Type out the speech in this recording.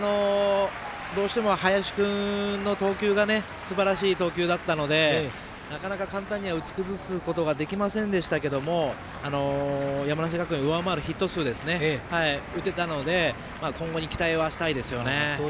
どうしても林君の投球がすばらしい投球だったのでなかなか簡単には打ち崩すことができませんでしたけど山梨学院を上回るヒット数を打てたので今後に期待はしたいですね。